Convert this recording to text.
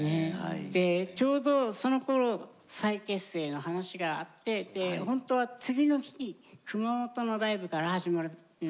でちょうどそのころ再結成の話があって本当は次の日熊本のライブから始まるっていう。